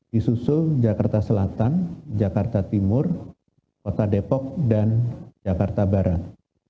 di susul jakarta selatan jakarta timur kota depok dan jakarta barat